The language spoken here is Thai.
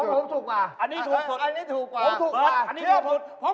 ผมถูกกว่าเชื่อผม